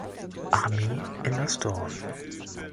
Armee in das Dorf.